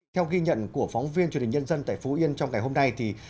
theo ghi nhận của phóng viên truyền hình nhân dân tại phú yên trong ngày hôm nay